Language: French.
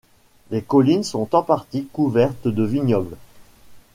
Les collines sont en partie couvertes de vignobles.